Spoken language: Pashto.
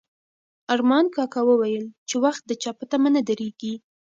ارمان کاکا وویل چې وخت د چا په تمه نه درېږي.